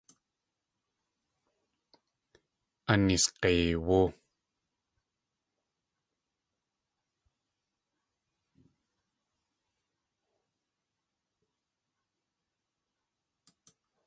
Aneesg̲eiwú!